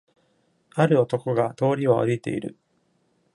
ある男が通りを歩いている。